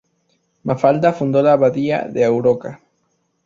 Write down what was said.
Mafalda fundó la Abadía de Arouca.